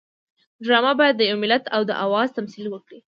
ډرامه باید د یو ملت د آواز تمثیل وکړي